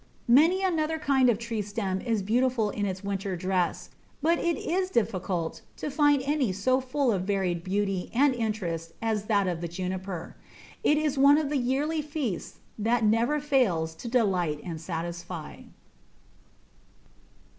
Many another kind of tree stem is beautiful in its winter dress, but it is difficult to find any so full of varied beauty and interest as that of the Juniper; it is one of the yearly feasts that never fails to delight and satisfy.